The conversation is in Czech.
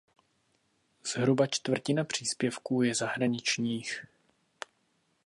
Zhruba čtvrtina příspěvků je zahraničních.